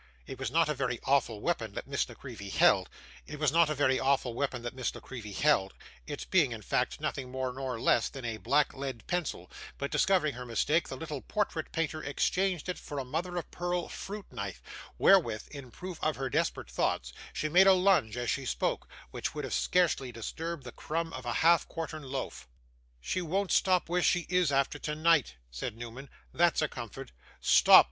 It was not a very awful weapon that Miss La Creevy held, it being in fact nothing more nor less than a black lead pencil; but discovering her mistake, the little portrait painter exchanged it for a mother of pearl fruit knife, wherewith, in proof of her desperate thoughts, she made a lunge as she spoke, which would have scarcely disturbed the crumb of a half quartern loaf. 'She won't stop where she is after tonight,' said Newman. 'That's a comfort.' 'Stop!